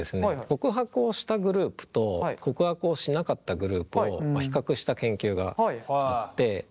告白をしたグループと告白をしなかったグループを比較した研究があって。